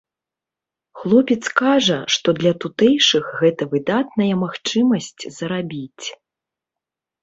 Хлопец кажа, што для тутэйшых гэта выдатная магчымасць зарабіць.